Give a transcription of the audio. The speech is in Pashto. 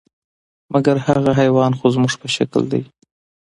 مګر هغه حیوان خو زموږ په شکل دی،